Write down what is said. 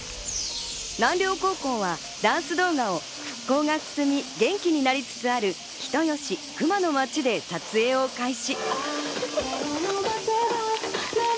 南稜高校はダンス動画を復興が進み、元気になりつつある、人吉・球磨の街で撮影を開始。